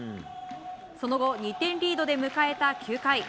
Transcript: その後、２点リードで迎えた９回。